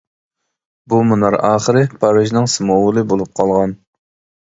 بۇ مۇنار ئاخىرى پارىژنىڭ سىمۋولى بولۇپ قالغان.